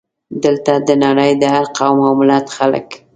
دلته د نړۍ د هر قوم او ملت خلک.